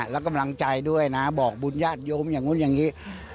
และกำลังใจด้วยนะบอกบุญญาติโยมอย่างนู้นอย่างนี้